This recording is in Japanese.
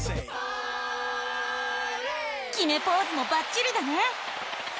きめポーズもバッチリだね！